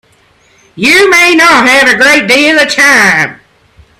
You may not have a great deal of time.